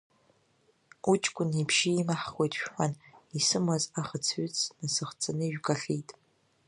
Уҷкәын ибжьы имаҳхуеит шәҳәан, исымаз ахыц-ҩыц насыхцаны ижәгахьеит.